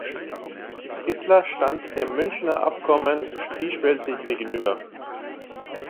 Hitler stand dem Münchner Abkommen zwiespältig gegenüber.